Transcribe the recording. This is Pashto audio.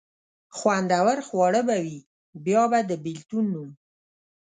خوندور خواړه به وي، بیا به د بېلتون نوم.